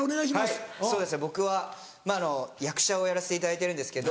はい僕は役者をやらせていただいてるんですけど。